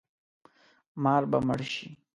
مار به مړ شي